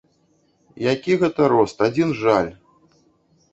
Які гэта рост, адзін жаль.